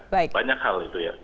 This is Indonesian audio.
banyak hal itu ya